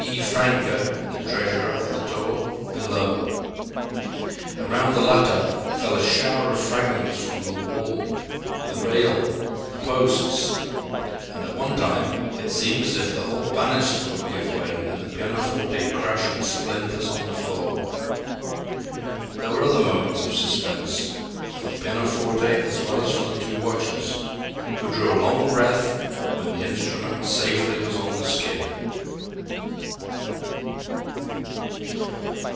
E. Francke, the treasurer of the tour, below. Around the latter fell a shower of fragments from the wall, the rail, the posts; and at one time it seemed as if the whole banister would give way and the pianoforte crash in splinters on the floor. There were other moments of suspense, for the pianoforte as well as for the two watchers, who drew a long breath when the instrument safely was on the skid.